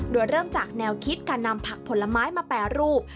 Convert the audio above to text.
โดยเริ่มจากแนวคิดการนำผักผลไม้มาแปรรูป